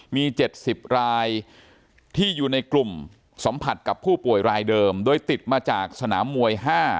มี๗๐รายที่อยู่ในกลุ่มสัมผัสกับผู้ป่วยรายเดิมโดยติดมาจากสนามมวย๕